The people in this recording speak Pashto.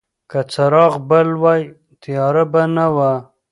که څراغ بل وای، تیاره به نه وه.